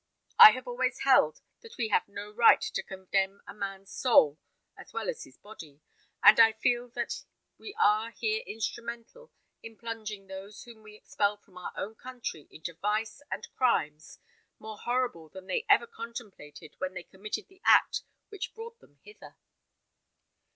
I have always held that we have no right to condemn a man's soul as well as his body; and I feel that we are here instrumental in plunging those whom we expel from our own country into vice and crimes more horrible than they ever contemplated when they committed the act which brought them hither."